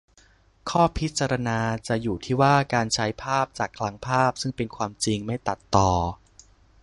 ข้อพิจารณาจะอยู่ที่ว่า การใช้ภาพจากคลังภาพ ซึ่งเป็นภาพจริง-ไม่ตัดต่อ